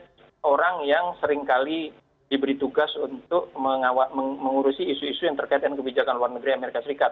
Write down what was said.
jadi dia orang yang seringkali diberi tugas untuk mengurusi isu isu yang terkait dengan kebijakan luar negeri amerika serikat